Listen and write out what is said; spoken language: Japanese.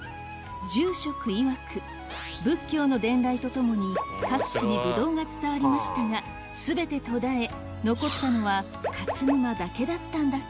住職いわく仏教の伝来とともに各地にブドウが伝わりましたが全て途絶え残ったのは勝沼だけだったんだそう